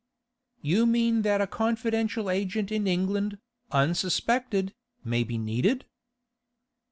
'You mean that a confidential agent in England, unsuspected, may be needed?